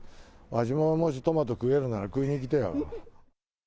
わしももし、トマト食えるなら、食いに行きてぇわ。